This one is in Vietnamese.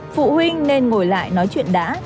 phụ huynh nên ngồi lại nói chuyện đã